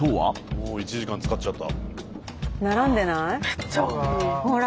もう１時間使っちゃった。